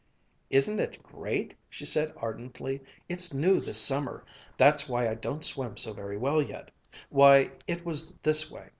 "Isn't it great!" she said ardently. "It's new this summer that's why I don't swim so very well yet. Why, it was this way.